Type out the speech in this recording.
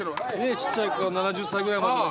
ちっちゃい子から７０歳ぐらいまでの人が。